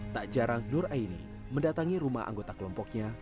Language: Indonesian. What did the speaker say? tak jarang nur aini mendatangi rumah anggota kelompoknya